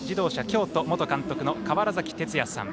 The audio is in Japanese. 京都元監督の川原崎哲也さん。